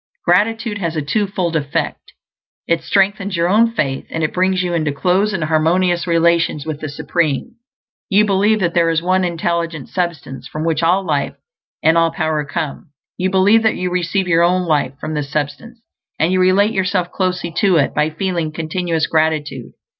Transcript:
Gratitude has a twofold effect; it strengthens your own faith, and it brings you into close and harmonious relations with the Supreme. You believe that there is one Intelligent Substance from which all life and all power come; you believe that you receive your own life from this substance; and you relate yourself closely to It by feeling continuous gratitude.